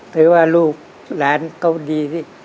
ถือว่าลูกหลานเขาดีสิ